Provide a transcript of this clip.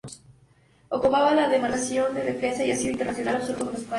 Ocupa la demarcación de defensa y ha sido internacional absoluto con España.